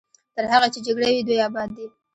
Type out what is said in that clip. تر هغې چې جګړه وي دوی اباد دي.